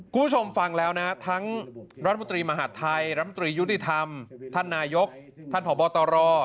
คุณผู้ชมฟังแล้วนะทั้งรัฐมนตรีมหาดไทยรำตรียุติธรรมท่านนายกท่านผอบตร